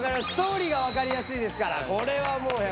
ストーリーがわかりやすいですから。